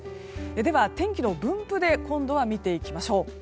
では、天気の分布で今度は見ていきましょう。